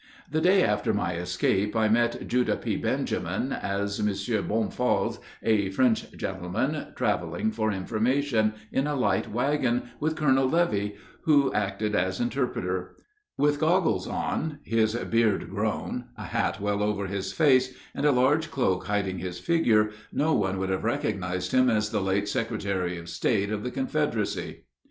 The day after my escape, I met Judah P. Benjamin as M. Bonfals, a French gentleman traveling for information, in a light wagon, with Colonel Leovie, who acted as interpreter. With goggles on, his beard grown, a hat well over his face, and a large cloak hiding his figure, no one would have recognized him as the late secretary of state of the Confederacy.